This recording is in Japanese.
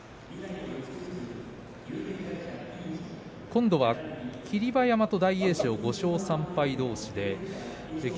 今度は霧馬山と大栄翔５勝３敗どうしです。